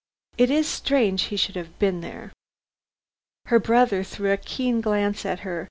"It is strange he should have been there." Her brother threw a keen glance at her.